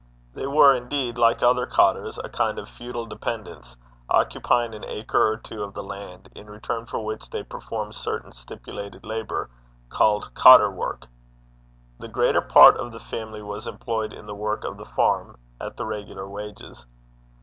They were, indeed, like other cottars, a kind of feudal dependents, occupying an acre or two of the land, in return for which they performed certain stipulated labour, called cottar wark. The greater part of the family was employed in the work of the farm, at the regular wages.